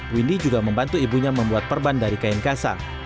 windy juga membantu ibunya membuat perban dari kain kasar